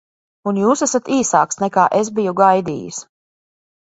Un jūs esat īsāks, nekā es biju gaidījis.